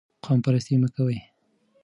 قوم پرستي مه کوئ.